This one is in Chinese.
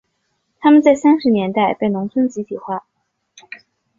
他们在三十年代被农业集体化。